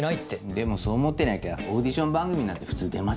でもそう思ってなきゃオーディション番組なんて普通出ませんよね？